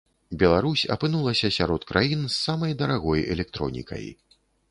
Беларусь апынулася сярод краін з самай дарагой электронікай.